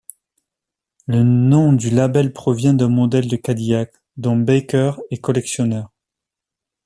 Le nom du label provient d'un modèle de Cadillac, dont Barker est collectionneur.